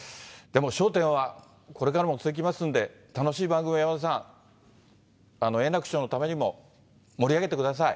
でも、笑点はこれからも続きますんで、楽しい番組を山田さん、円楽師匠のためにも盛り上げてください。